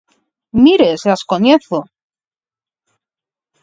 ¡Mire se as coñezo!